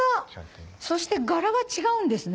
そして柄が違うんですね。